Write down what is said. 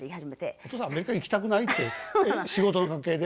お父さん「アメリカ行きたくない？」ってえっ仕事の関係で？